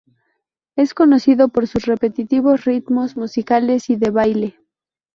Es conocido por sus repetitivos ritmos musicales y de baile.